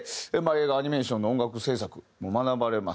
映画アニメーションの音楽制作も学ばれます。